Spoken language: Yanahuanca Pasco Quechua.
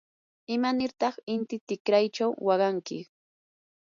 ¿imanirtaq inti tikraychaw waqanki?